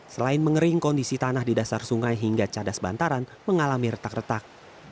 selain mengering kondisi tanah di dasar sungai hingga cadas bantaran mengalami retak retak